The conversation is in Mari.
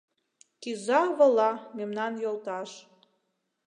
Кӱза-вола мемнан йолташ.